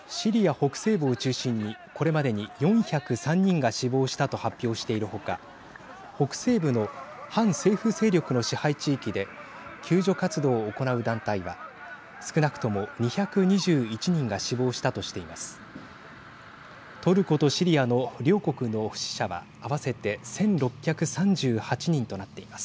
北西部の反政府勢力の支配地域で救助活動を行う団体は少なくとも２２１人が死亡したとしています。